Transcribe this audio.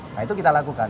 nah itu kita lakukan